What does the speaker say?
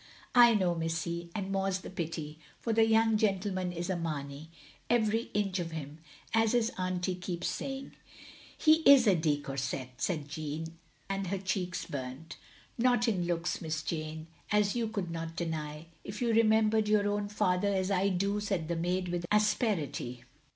" I know, missy, and more *s the pity, for the young gentleman is a Mamey, every inch of him, as his auntie keeps saying." "He is a de Courset," said Jeanne, and her cheeks burnt. "Not in looks. Miss Jane, as you could not deny, if you remembered your own father as I do, " said the maid with asperity.